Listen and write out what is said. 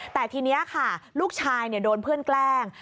แต่ทีนี้ค่ะลูกชายโดนเพื่อนแกล้ง